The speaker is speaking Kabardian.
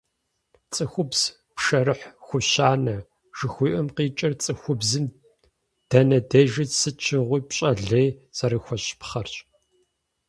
«ЦӀыхубз пшэрыхь хущанэ» жыхуиӀэм къикӀыр цӀыхубзым дэнэ дежи, сыт щыгъуи пщӀэ лей зэрыхуэщӀыпхъэрщ.